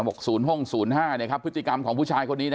บอกศูนย์ห้อง๐๕พฤติกรรมของผู้ชายคนนี้